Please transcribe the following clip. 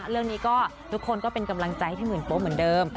เรื่องนี้ก็ทุกคนก็เป็นกำลังใจให้พี่หมื่นโป๊เหมือนเดิม